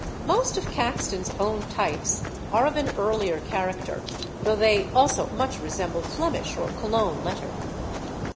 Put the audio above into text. Most of Caxton's own types are of an earlier character, though they also much resemble Flemish or Cologne letter.